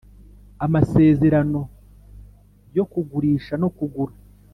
Amasezerano yo kugurisha no kugura